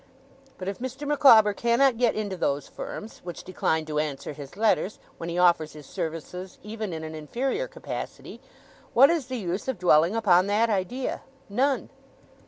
But if Mr. Micawber cannot get into those firms which decline to answer his letters, when he offers his services even in an inferior capacity what is the use of dwelling upon that idea? None.